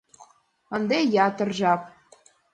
Ынде ятыр жап.